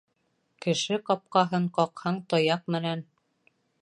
Кеше ҡапҡаһын ҡаҡһаң таяҡ менән